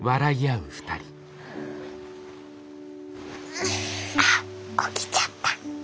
うん。あっ起きちゃった。